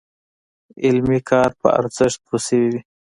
علمي کار په ارزښت پوه شوي وي.